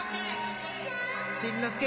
しんのすけ。